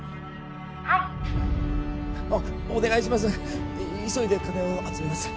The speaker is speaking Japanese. はいお願いします